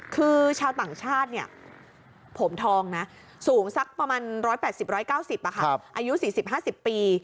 คือชาวต่างชาติผมทองนะสูงสักประมาณ๑๘๐๑๙๐อายุ๔๐๕๐ปี